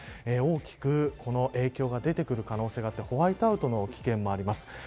大きく影響が出てくる可能性があってホワイトアウトの危険もあります。